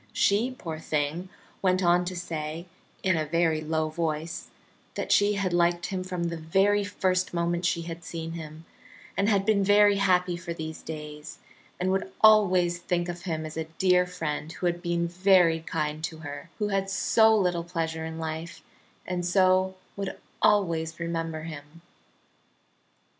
She, poor thing, went on to say, in a very low voice, that she had liked him from the very first moment she had seen him, and had been very happy for these days, and would always think of him as a dear friend who had been very kind to her, who had so little pleasure in life, and so would always remember him.